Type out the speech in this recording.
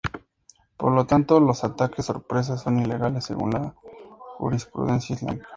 Por lo tanto, los ataques sorpresa son ilegales según la jurisprudencia islámica.